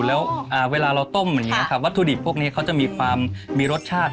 แล้วเวลาเราต้มอย่างนี้ครับวัตถุดิบพวกนี้เขาจะมีความมีรสชาติ